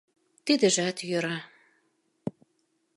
Тидыжат йӧра.